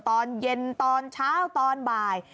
ตอนเย็นตอนเช้าตอนบ่าย